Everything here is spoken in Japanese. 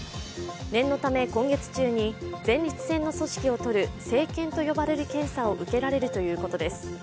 念のため、今月中に前立腺の組織をとる生検と呼ばれる検査を受けられるということです。